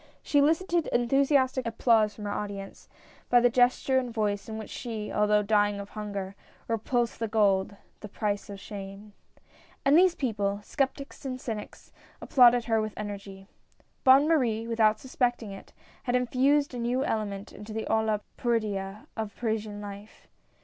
She elicited enthusiastic applause from her audience, by the gesture and voice in which she — although dying of hunger — repulsed the gold —" the price of shame." And these people — skeptics and cynics — applauded her with energy. Bonne Marie, without suspecting it, had infused a new element into the olla podrida of Parisian life.